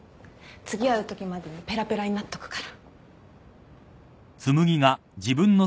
次会うときまでにペラペラになっとくから。